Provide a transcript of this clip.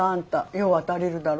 用は足りるだろ。